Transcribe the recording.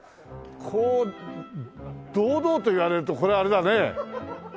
こう堂々と言われるとこれあれだね。